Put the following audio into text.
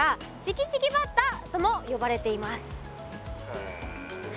へえ。